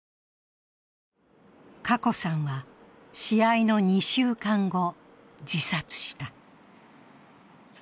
華子さんは試合の２週間後、自殺した。